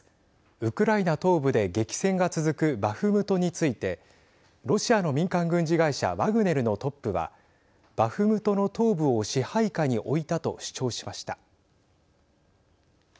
ウクライナ東部で激戦が続くバフムトについてロシアの民間軍事会社ワグネルのトップはバフムトの東部を支配下に置いたと主張しました。